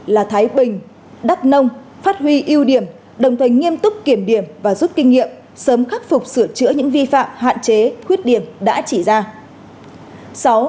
là thái bình đắk nông phát huy ưu điểm đồng thời nghiêm túc kiểm điểm và rút kinh nghiệm sớm khắc phục sửa chữa những vi phạm hạn chế khuyết điểm đã chỉ ra